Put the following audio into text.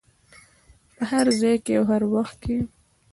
په هر ځای او هر وخت کې.